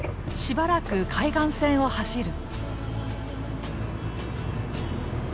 しばらく海岸線を走る。